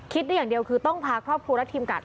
ได้อย่างเดียวคือต้องพาครอบครัวและทีมกัด